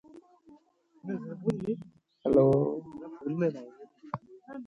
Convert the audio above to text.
He was also the nephew of the renowned economist, John Maynard Keynes.